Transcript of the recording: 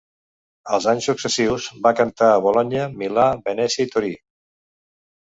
Els anys successius va cantar a Bolonya, Milà, Venècia i Torí.